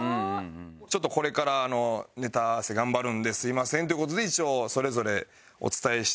「ちょっとこれからネタ合わせ頑張るんですみません」という事で一応それぞれお伝えして断っていく。